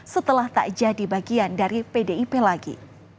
setelah tak jadi bagian dari pdip lagi